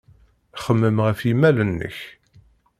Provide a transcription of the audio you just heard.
Xemmem ɣef yimal-nnek.